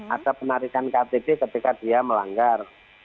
ada penarikan ktp ketika dia melanggar